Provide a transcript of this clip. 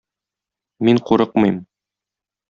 Мин курыкмыйм!